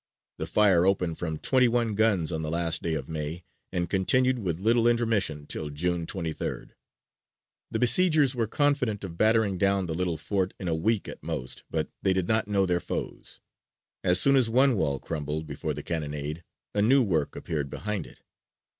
The fire opened from twenty one guns on the last day of May and continued with little intermission till June 23rd. The besiegers were confident of battering down the little fort in a week at most, but they did not know their foes. As soon as one wall crumbled before the cannonade, a new work appeared behind it.